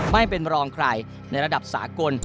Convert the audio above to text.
ไม่เป็นรองใครในระดับสากล